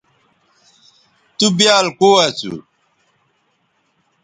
تُو بیال کو اسو